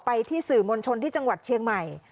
ที่สื่อมวลชนที่จังหวัดเชียงใหม่